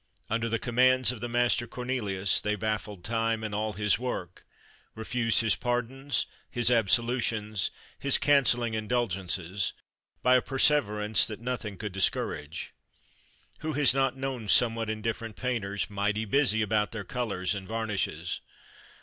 Under the commands of the master Cornelius, they baffled time and all his work refused his pardons, his absolutions, his cancelling indulgences by a perseverance that nothing could discourage. Who has not known somewhat indifferent painters mighty busy about their colours and varnishes?